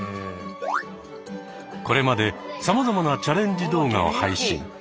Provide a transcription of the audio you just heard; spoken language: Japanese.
これまでさまざまなチャレンジ動画を配信。